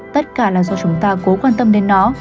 tất cả là do chúng ta cố quan tâm đến nó